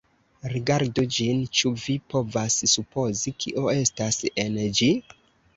Rigardu ĝin; ĉu vi povas supozi kio estas en ĝi?